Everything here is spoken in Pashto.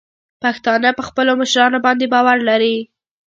پښتانه په خپلو مشرانو باندې باور لري.